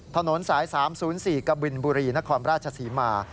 ถนนสาย๓๐๔กบินบุรีนครราชศรีมา